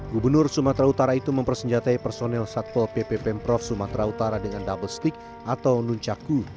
gubernur sumatera utara itu mempersenjatai personel satpol pp pemprov sumatera utara dengan double stick atau nuncaku